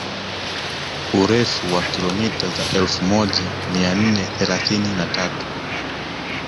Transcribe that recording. Urefu wa kilomita za elfu moja mia nne thelathini na tatu